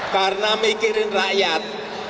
karena mikirin rakyat